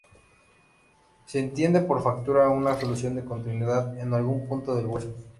Se entiende por fractura una solución de continuidad en algún punto del hueso.